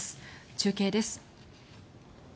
中継です。